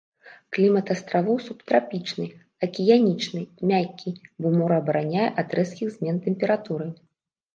Клімат астравоў субтрапічны акіянічны, мяккі, бо мора абараняе ад рэзкіх змен тэмпературы.